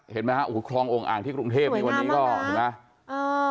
เห็นไหมฮะคลององค์อ่างที่กรุงเทพนี่วันนี้ก็สวยงามมากนะถูกไหมเอ่อ